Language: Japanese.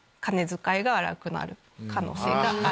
可能性がある。